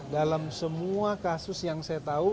dalam semua kasus yang saya tahu